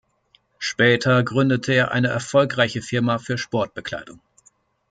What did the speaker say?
Später gründete er eine erfolgreiche Firma für Sportbekleidung.